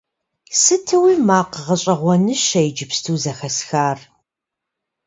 Сытуи макъ гъэщӀэгъуэныщэ иджыпсту зэхэсхар!